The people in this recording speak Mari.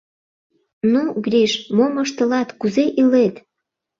— Ну, Гриш, мом ыштылат, кузе илет?